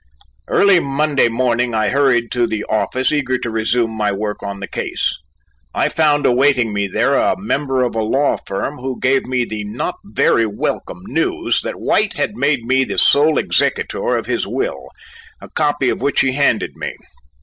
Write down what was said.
Early Monday morning I hurried to the office eager to resume my work on the case. I found awaiting me there a member of a law firm who gave me the not very welcome news that White had made me the sole executor of his will, a copy of which he handed me.